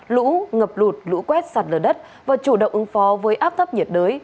lũ ngập lụt lũ quét sạt lở đất và chủ động ứng phó với áp thấp nhiệt đới